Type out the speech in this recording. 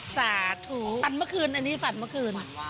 สาธุฟันเมื่อคืนอันนี้ฝันเมื่อคืน